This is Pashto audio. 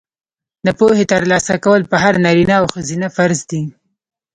د پوهې ترلاسه کول په هر نارینه او ښځینه فرض دي.